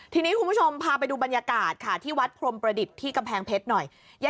ทีนี้คุณผู้ชมพาไปดูบรรยากาศค่ะที่วัดพรมประดิษฐ์ที่กำแพงเพชรหน่อย